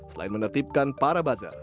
selain menertibkan para bazar